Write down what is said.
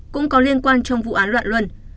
cũng có liên quan trong vụ án loạn luân